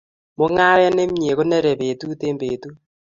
Mungaret ne mie konerei betut eng betut